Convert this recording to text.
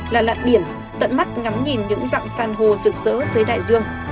là lặn biển tận mắt ngắm nhìn những dặn sàn hồ rực rỡ dưới đại dương